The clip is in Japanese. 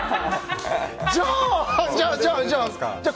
じゃあ、じゃあ。